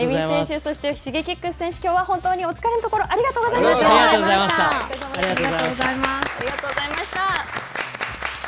ＡＹＵＭＩ選手、そしてＳｈｉｇｅｋｉｘ選手、本当にお疲れのところ、ありがとうございました。